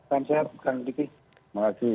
salam sehat pak adiki